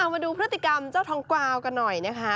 มาดูพฤติกรรมเจ้าทองกวาวกันหน่อยนะคะ